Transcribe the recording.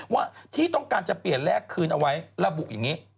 ว่าที่ต้องการจะเปลี่ยนแรกคืนเอาไว้ระบุอย่างนี้